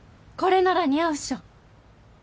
これなら似合うっしょ？